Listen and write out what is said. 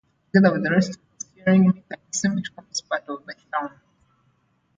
Together with the rest of the steering mechanism, it forms part of the helm.